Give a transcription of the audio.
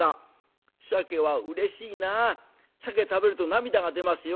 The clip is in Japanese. シャケ食べると涙が出ますよ。